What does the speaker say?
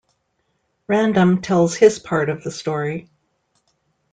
Random tells his part of the story.